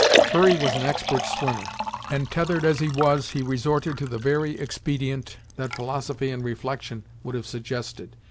Hurry was an expert swimmer, and tethered as he was he resorted to the very expedient that philosophy and reflection would have suggested.